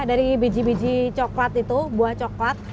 dari biji biji coklat itu buah coklat